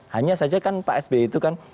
hanya saja kan pak sby itu kan